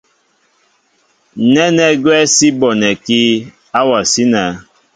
Nɛ́nɛ́ gwɛ́ sí bonɛkí áwasí nɛ̄.